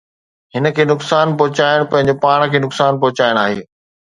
هن کي نقصان پهچائڻ پنهنجو پاڻ کي نقصان پهچائڻ آهي.